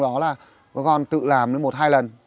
các con tự làm một hai lần